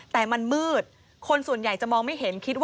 แต่มันมืด